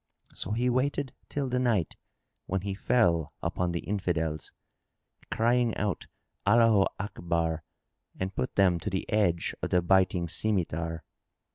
So he waited till the night, when he fell upon the Infidels, crying out, "Allaho Akbar!" and put them to the edge of the biting scymitar.